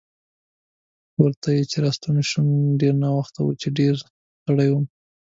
کور ته چې راستون شوم ډېر ناوخته و چې ډېر ستړی وم.